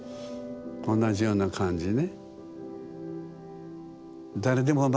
同じような感じね。